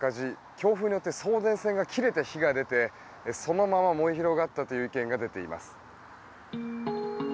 強風によって送電線が切れて火が出てそのまま燃え広がったという意見が出ています。